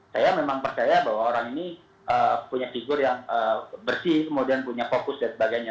saya memang percaya bahwa orang ini punya figur yang bersih kemudian punya fokus dan sebagainya